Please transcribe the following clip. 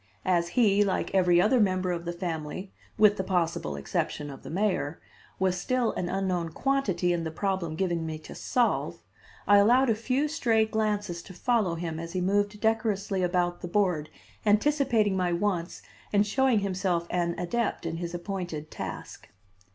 As he, like every other member of the family, with the possible exception of the mayor, was still an unknown quantity in the problem given me to solve, I allowed a few stray glances to follow him as he moved decorously about the board anticipating my wants and showing himself an adept in his appointed task.